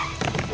dia teman saya